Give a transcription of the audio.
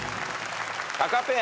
タカペア。